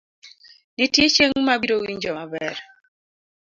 nitie chieng' ma abiro winjo maber